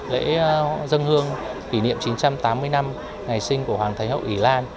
lễ dân hương kỷ niệm chín trăm tám mươi năm ngày sinh của hoàng thái hậu ý lan